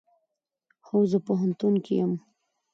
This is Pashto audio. هو، زه په پوهنتون کې یم